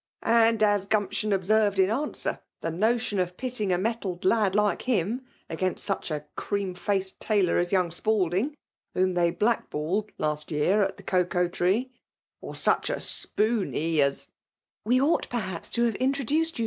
Aju1« as Oumption observed in answer, the notion of pitting a mettled lad like Am against such a creaift faced tailor as young Spalding — (whom they blackballed last year at the Coeoa Tree,) or such a spoony as ^"" We ought perhaps to have introduced you nCM AJUB JK»iIKAT«01«.